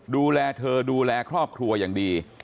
ดูแลเธอดูแลครอบครัวอย่างดี